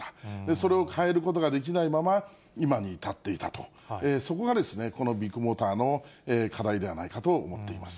それを変えることができないまま、今に至っていたと、そこがこのビッグモーターの課題ではないかと思っています。